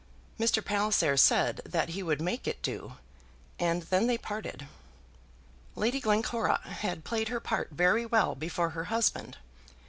Mr. Palliser said that he would make it do, and then they parted. Lady Glencora had played her part very well before her husband.